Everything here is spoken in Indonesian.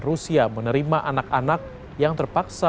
rusia menerima anak anak yang terpaksa